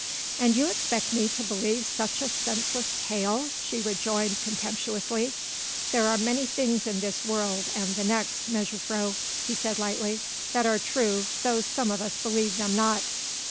"And you expect me to believe such a senseless tale," she rejoined contemptuously. "There are many things in this world and the next, mejuffrouw," he said lightly, "that are true though some of us believe them not."